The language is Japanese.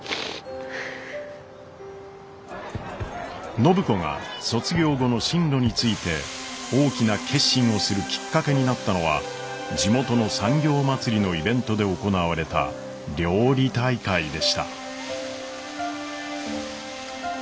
暢子が卒業後の進路について大きな決心をするきっかけになったのは地元の産業まつりのイベントで行われた料理大会でした。